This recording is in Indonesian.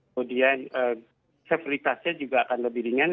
kemudian severitasnya juga akan lebih ringan